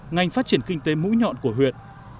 ngành phát triển kinh tế mũi nhọn của huyện